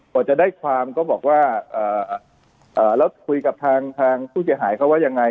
ก็จะได้ความก็บอกว่าเอ่อเอ่อแล้วคุยกับทางทางที่จะหายเขาว่ายังไง